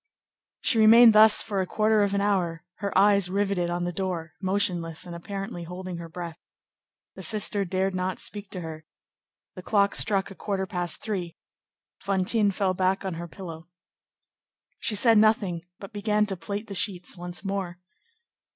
She remained thus for a quarter of an hour, her eyes riveted on the door, motionless and apparently holding her breath. The sister dared not speak to her. The clock struck a quarter past three. Fantine fell back on her pillow. She said nothing, but began to plait the sheets once more.